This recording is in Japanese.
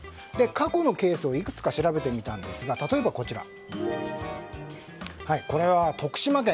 過去のケースをいくつか調べてみたんですが例えばこちら、これは徳島県。